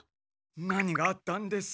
何があったんです？